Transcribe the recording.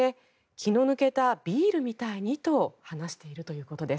気の抜けたビールみたいにと話しているということです。